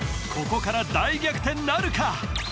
ここから大逆転なるか？